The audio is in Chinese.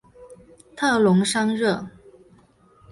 特龙桑热。